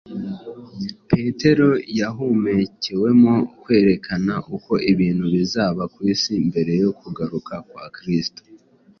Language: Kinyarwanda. Petero yahumekewemo kwerekana uko ibintu bizaba ku isi mbere yo kugaruka kwa Kristo.